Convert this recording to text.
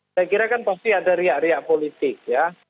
saya kira kan pasti ada riak riak politik ya